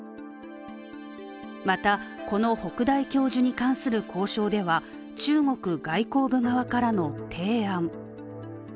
また、この北大教授に関する交渉では中国外交部側からの提案。